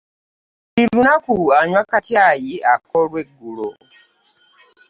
Buli lunaku anywa ka caayi ak'olweggulo.